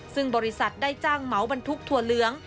ซึ่งบริษัทได้จ้างเหมาบรรทุกถั่วเหลือง